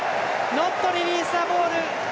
ノットリリースザボール！